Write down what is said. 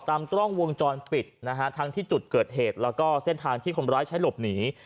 กล้องวงจรปิดนะฮะทั้งที่จุดเกิดเหตุแล้วก็เส้นทางที่คนร้ายใช้หลบหนี